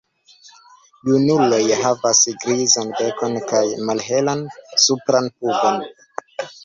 Junuloj havas grizan bekon kaj malhelan supran pugon.